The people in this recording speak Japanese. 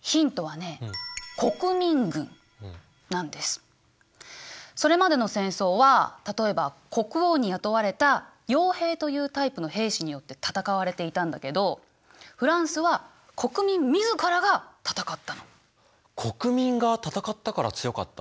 ヒントはねそれまでの戦争は例えば国王に雇われたよう兵というタイプの兵士によって戦われていたんだけど国民が戦ったから強かった？